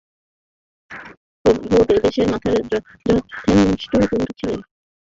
প্রভু এদেশে আমায় যথেষ্ট বন্ধু দিচ্ছেন, আর তাদের সংখ্যা দিন দিন বেড়েই চলেছে।